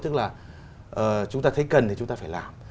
tức là chúng ta thấy cần thì chúng ta phải làm